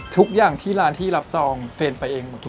ทุกของที่ร้านที่รับจองเฟนไปเอง